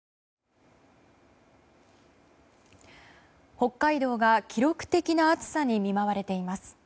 北海道が記録的な暑さに見舞われています。